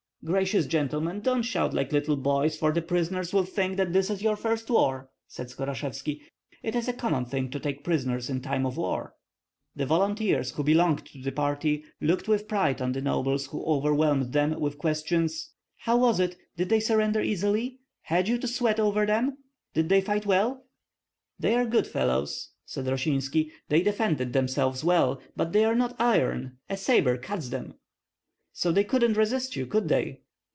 "Gracious gentlemen, don't shout like little boys, for the prisoners will think that this is your first war," said Skorashevski; "it is a common thing to take prisoners in time of war." The volunteers who belonged to the party looked with pride on the nobles who overwhelmed them with questions: "How was it? Did they surrender easily? Had you to sweat over them? Do they fight well?" "They are good fellows," said Rosinski, "they defended themselves well; but they are not iron, a sabre cuts them." "So they couldn't resist you, could they?"